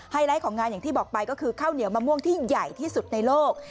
ไลท์ของงานอย่างที่บอกไปก็คือข้าวเหนียวมะม่วงที่ใหญ่ที่สุดในโลก